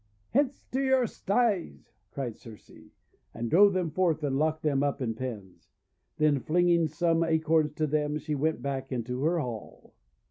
:< Hence to your sties!" cried Circe, and drove them forth and locked them up in pens. Then flinging some Acorns to them, she went back into her hall.